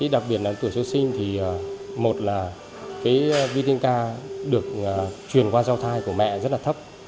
đặc biệt là tuổi sơ sinh thì một là cái vitamin k được truyền qua giao thai của mẹ rất là thấp